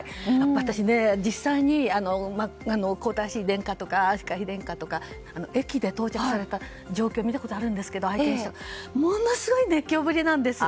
私、実際に皇太子殿下や妃殿下が駅で到着された状況を見たことがあるんですけれどもものすごい熱狂ぶりなんです。